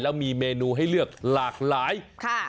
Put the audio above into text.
แล้วมีเมนูให้เลือกหลากหลายค่ะ